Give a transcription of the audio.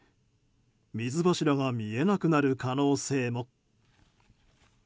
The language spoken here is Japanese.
水柱が見えなくなる可能性も。